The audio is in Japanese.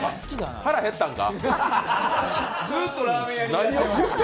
腹減ったんか。